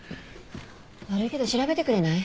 悪いけど調べてくれない？